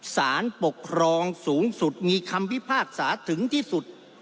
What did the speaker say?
สารปกครองสูงสุดมีคำพิพากษาถึงที่สุด